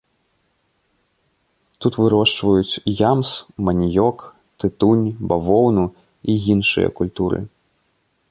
Тут вырошчваюць ямс, маніёк, тытунь, бавоўну і іншыя культуры.